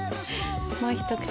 もう一口。